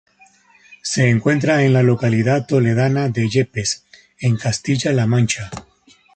Se encuentra en la localidad toledana de Yepes, en Castilla-La Mancha.